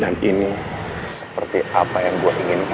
dan ini seperti apa yang gua inginkan juga